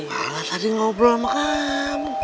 malah tadi ngobrol sama kamu